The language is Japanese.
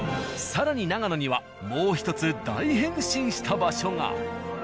更に長野にはもう１つ大変身した場所が。